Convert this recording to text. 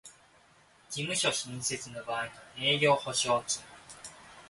事務所新設の場合の営業保証金